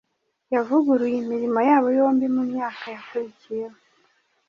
yavuguruye imirimo yabo yombi Mu myaka yakurikiyeho